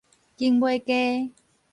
景尾街